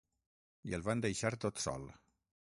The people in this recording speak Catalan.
I el van deixar tot sol.